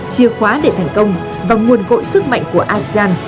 chia khóa để thành công và nguồn gội sức mạnh của asean